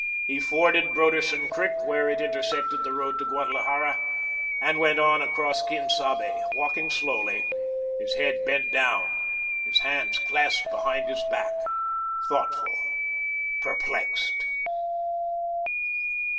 He forded Broderson Creek where it intersected the road to Guadalajara, and went on across Quien Sabe, walking slowly, his head bent down, his hands clasped behind his back, thoughtful, perplexed.